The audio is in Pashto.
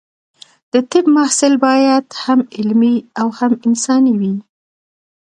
د طب محصل باید هم علمي او هم انساني وي.